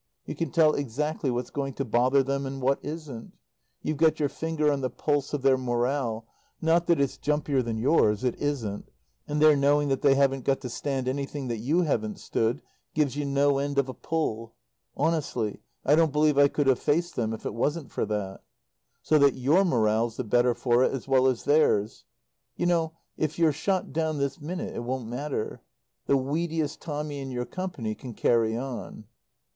You can tell exactly what's going to bother them, and what isn't. You've got your finger on the pulse of their morale not that it's jumpier than yours; it isn't and their knowing that they haven't got to stand anything that you haven't stood gives you no end of a pull. Honestly, I don't believe I could have faced them if it wasn't for that. So that your morale's the better for it as well as theirs. You know, if you're shot down this minute it won't matter. The weediest Tommy in your Company can "carry on."